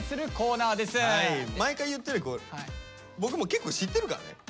毎回言ってるけど僕もう結構知ってるからね。